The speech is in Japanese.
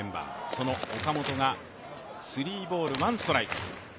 その岡本がスリーボール、ワンストライク。